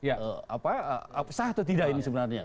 apa sah atau tidak ini sebenarnya